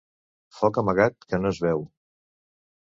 Foc amagat que no es veu.